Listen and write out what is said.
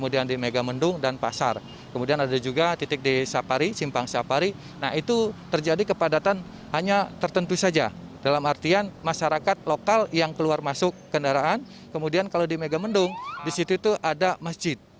dalam artian masyarakat lokal yang keluar masuk kendaraan kemudian kalau di mega mendung disitu ada masjid